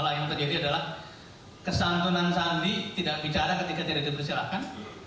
yang terjadi adalah kesantunan sandi tidak bicara ketika tidak dipersilahkan